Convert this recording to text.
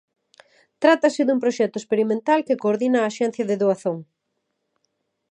Trátase dun proxecto experimental que coordina a Axencia de Doazón.